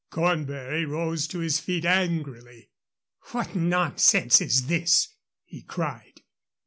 Cornbury rose to his feet angrily. "What nonsense is this?" he cried.